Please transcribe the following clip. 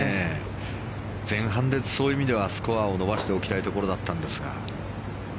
前半でそういう意味ではスコアを伸ばしておきたいところだったんですが。